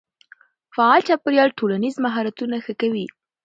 فعال چاپېريال ټولنیز مهارتونه ښه کوي.